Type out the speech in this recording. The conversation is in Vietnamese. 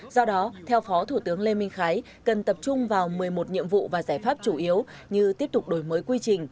do đó theo phó thủ tướng lê minh khái cần tập trung vào một mươi một nhiệm vụ và giải pháp chủ yếu như tiếp tục đổi mới quy trình